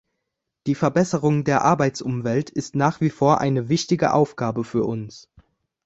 Die Verbesserung der Arbeitsumwelt ist nach wie vor eine wichtige Aufgabe für uns.